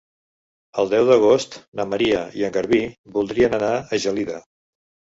El deu d'agost na Maria i en Garbí voldrien anar a Gelida.